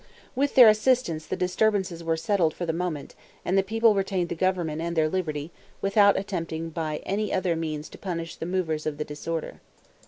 With their assistance the disturbances were settled for the moment, and the people retained the government and their liberty, without attempting by any other means to punish the movers of the disorder.